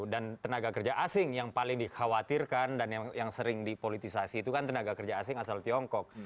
dan tenaga kerja asing yang paling dikhawatirkan dan yang sering dipolitisasi itu kan tenaga kerja asing asal tiongkok